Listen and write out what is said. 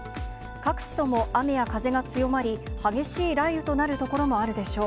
各地とも雨や風が強まり、激しい雷雨となる所もあるでしょう。